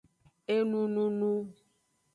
Enununu.